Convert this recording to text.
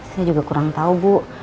saya juga kurang tahu bu